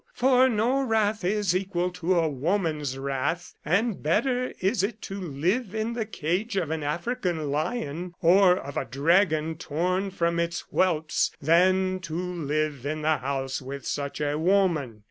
For no wrath is equal to a woman's wrath ; and better is it to live in the cage of an African lion, or of a dragon torn from its whelps, than to live in the house with such a woman.